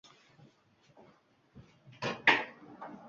Odamxo’rlik-kannibalizm, besh asr avval barham topgan, deydilar… Unday emas.